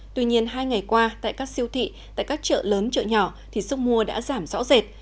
tuy nhiên hai ngày qua tại các siêu thị tại các chợ lớn chợ nhỏ thì sức mua đã giảm rõ rệt